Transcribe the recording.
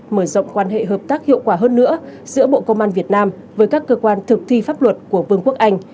mở rộng quan hệ hợp tác hiệu quả hơn nữa giữa bộ công an việt nam với các cơ quan thực thi pháp luật của vương quốc anh